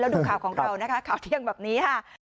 ดูข่าวของเรานะคะข่าวเที่ยงแบบนี้ค่ะ